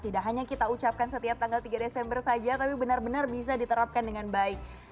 tidak hanya kita ucapkan setiap tanggal tiga desember saja tapi benar benar bisa diterapkan dengan baik